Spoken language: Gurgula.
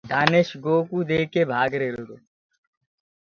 دآيش گو ڪوُ ديک ڪي ڀآگ رهيرو تو۔